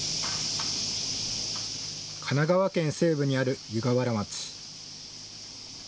神奈川県西部にある湯河原町。